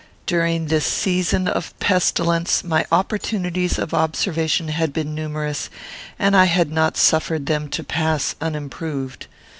During this season of pestilence, my opportunities of observation had been numerous, and I had not suffered them to pass unimproved.